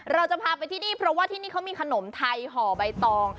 เราจะพาไปที่นี่เพราะว่าที่นี่เขามีขนมไทยห่อใบตอง